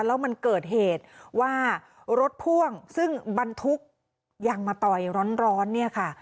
แล้วมันเกิดเหตุว่ารถพ่วงซึ่งบรรทุกยางมาต่อยร้อนเนี่ยค่ะ